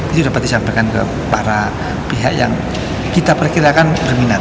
itu dapat disampaikan ke para pihak yang kita perkirakan berminat